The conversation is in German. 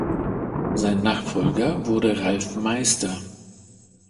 Sein Nachfolger wurde Ralf Meister.